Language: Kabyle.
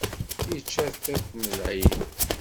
Ičča tiṭ n lɛid.